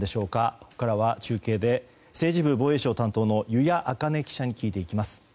ここからは中継で政治部防衛省担当の湯屋あかね記者に聞いていきます。